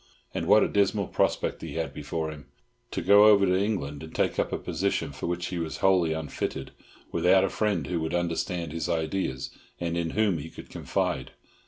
And what a dismal prospect he had before him! To go over to England and take up a position for which he was wholly unfitted, without a friend who would understand his ideas, and in whom he could confide.